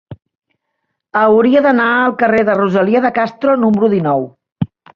Hauria d'anar al carrer de Rosalía de Castro número dinou.